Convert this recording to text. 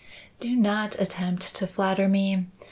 "Do not attempt to flatter me.